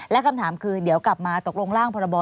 และคำถามคือเดี๋ยวกลับมาตกลงร่างพรบ